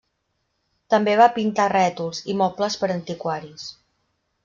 També va pintar rètols i mobles per a antiquaris.